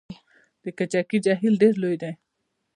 د کجکي جهیل ډیر لوی دی